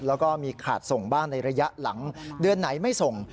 แล้วก็มีขาดส่งบ้างในระยะหลังเดือนไหนไม่ส่ง